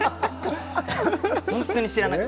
本当に知らない。